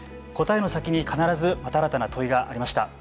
答えの先に必ずまた新たな問いがありました。